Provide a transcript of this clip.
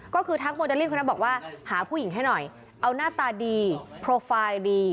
ก็คือทักโมเดลลิ่งคนนั้นบอกว่าหาผู้หญิงให้หน่อยเอาหน้าตาดีโปรไฟล์ดี